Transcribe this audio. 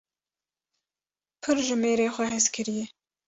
Pir ji mêrê xwe hez kiriye.